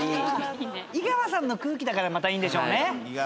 井川さんの空気だからまたいいんでしょうね。